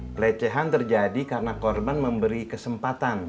pelecehan terjadi karena korban memberi kesempatan